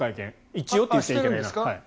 一応と言っちゃいけないな。